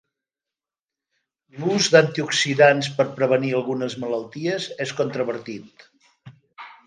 L'ús d'antioxidants per prevenir algunes malalties és controvertit.